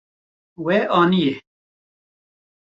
We aniye.